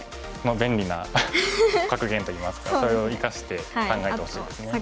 便利な格言といいますかそれを生かして考えてほしいですね。